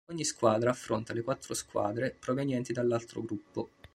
Ogni squadra affronta le quattro squadre provenienti dall'altro gruppo.